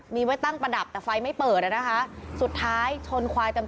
มีไว้ตั้งประดับแต่ไฟไม่เปิดอ่ะนะคะสุดท้ายชนควายเต็ม